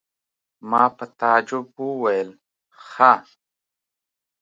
ما په تعجب وویل: ښه!